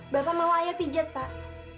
bapak mau ayah pijat pak